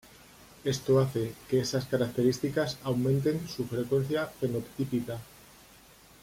Esto hace que esas características aumenten su frecuencia fenotípica.